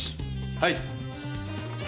はい。